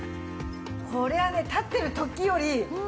これはね立ってる時よりこの辺。